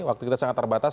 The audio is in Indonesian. waktu kita sangat terbatas